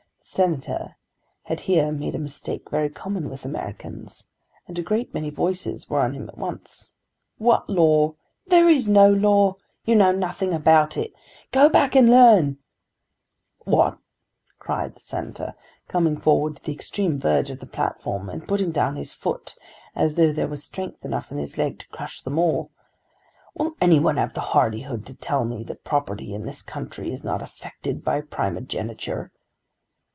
The Senator had here made a mistake very common with Americans, and a great many voices were on him at once. "What law?" "There is no law." "You know nothing about it." "Go back and learn." "What!" cried the Senator coming forward to the extreme verge of the platform and putting down his foot as though there were strength enough in his leg to crush them all; "Will any one have the hardihood to tell me that property in this country is not affected by primogeniture?"